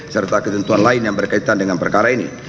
serta ketentuan lain yang berkaitan dengan perkara ini